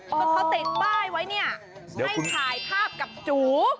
คือเขาติดป้ายไว้เนี่ยให้ถ่ายภาพกับจู